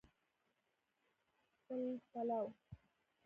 بل پلو